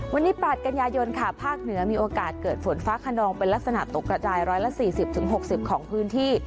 วันนี้๘กันยายนค่ะภาคเหนือมีโอกาสเกิดฝนฟ้าขนองเป็นลักษณะตกกระจาย๑๔๐๖๐ของพื้นที่